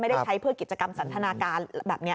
ได้ใช้เพื่อกิจกรรมสันทนาการแบบนี้